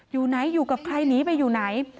อยู่ไหนอยู่กับใครหนีไปอยู่ไหน